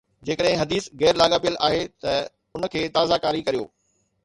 جيڪڏهن حديث غير لاڳاپيل آهي ته ان کي تازه ڪاري ڪريو